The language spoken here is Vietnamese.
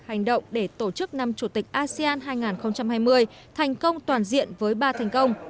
hành động để tổ chức năm chủ tịch asean hai nghìn hai mươi thành công toàn diện với ba thành công